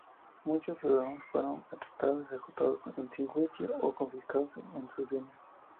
Muchos ciudadanos fueron arrestados, ejecutados sin juicio o confiscados sus bienes.